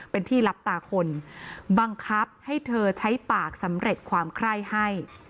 เป็นที่รับตาคนบังคับให้เธอใช้ปากสำเร็จความไคร่ให้